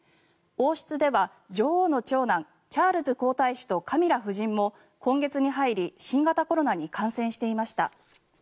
王室では女王の長男チャールズ皇太子とカミラ夫人も今月に入り新型コロナに感染していました。